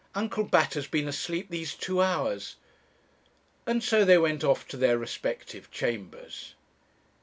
'Uncle Bat has been asleep these two hours.' And so they went off to their respective chambers.